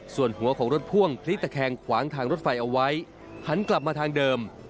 ส่วนหัวของรถพ่วงพลิกตะแคงขวางทางรถไฟเอาไว้หันกลับมาทางเดิม